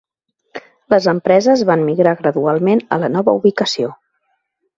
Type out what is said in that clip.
Les empreses van migrar gradualment a la nova ubicació.